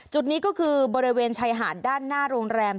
จุดนี้ก็คือบริเวณชายหาดด้านหน้าโรงแรม